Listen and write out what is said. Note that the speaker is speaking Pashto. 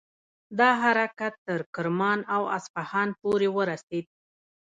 دا حرکت تر کرمان او اصفهان پورې ورسید.